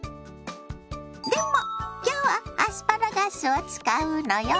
でも今日はアスパラガスを使うのよ。